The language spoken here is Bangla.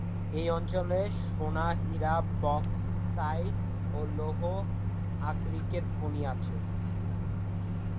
এই অঞ্চলে সোনা, হীরা, বক্সাইট ও লৌহ আকরিকের খনি আছে।